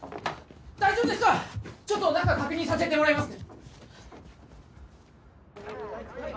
大丈夫ですか⁉ちょっと中確認させてもらいます。